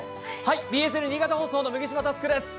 ＢＳＮ新潟放送の麦島侑です。